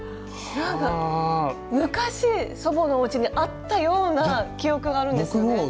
なんか昔祖母のおうちにあったような記憶があるんですよね。